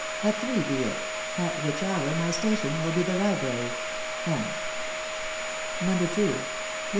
At three he it .... at which hour my station will be the library. " M." No.